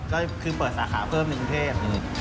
ก็คือเปิดสาขาเพิ่มในกรุงเทพ